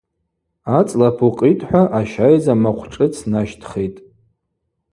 Ацӏла пукъитӏхӏва, ащайдза махъв шӏыц нащтхитӏ.